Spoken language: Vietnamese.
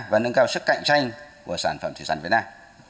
và nâng cao sức cạnh tranh của sản phẩm thủy sản việt nam